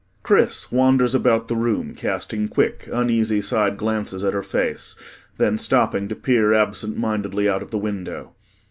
CHRIS wanders about the room, casting quick, uneasy side glances at her face, then stopping to peer absentmindedly out of the window.